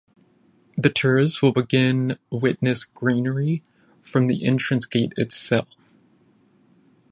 The tourists will begin witness greenery from the entrance gate itself.